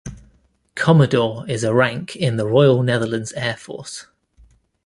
Commodore is a rank in the Royal Netherlands Air Force.